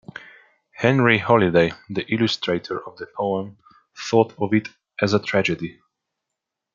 Henry Holiday, the illustrator of the poem, thought of it as a "tragedy".